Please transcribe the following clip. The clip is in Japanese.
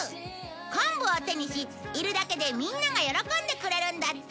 昆布を手にしいるだけでみんなが喜んでくれるんだって